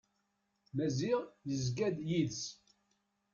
Maziɣ yezga d yid-s.